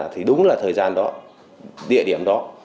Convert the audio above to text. thì đúng là thời gian đó địa điểm đó